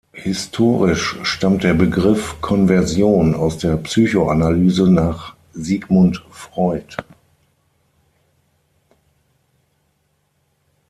Historisch stammt der Begriff Konversion aus der Psychoanalyse nach Sigmund Freud.